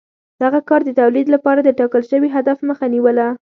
دغه کار د تولید لپاره د ټاکل شوي هدف مخه نیوله